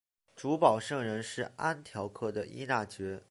主保圣人是安条克的依纳爵。